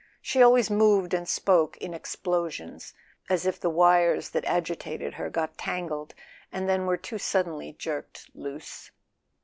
She always moved and spoke in explo¬ sions, as if the wires that agitated her got tangled, and then were too suddenly jerked loose.